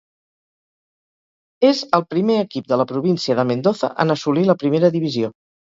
És el primer equip de la província de Mendoza en assolir la primera divisió.